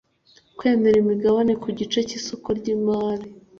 kwemerera imigabane ku gice cy isoko ry imari